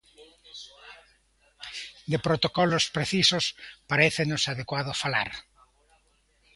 De protocolos precisos, parécenos adecuado falar.